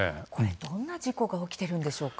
どんな事故が起きているんでしょうか。